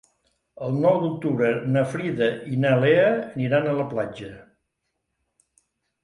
El nou d'octubre na Frida i na Lea aniran a la platja.